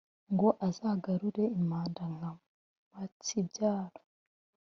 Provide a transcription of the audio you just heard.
ngo azagarure impanda nka mpatsibyaro.